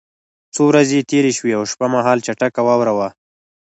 څو ورځې تېرې شوې او شپه مهال چټکه واوره وه